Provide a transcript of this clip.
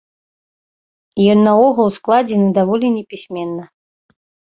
Ён наогул складзены даволі непісьменна.